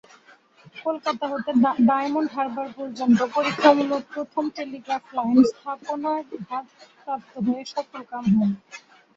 কলকাতা হতে ডায়মন্ড হারবার পর্যন্ত পরীক্ষামূলক প্রথম টেলিগ্রাফ লাইন স্থাপনার ভারপ্রাপ্ত হয়ে সফলকাম হন।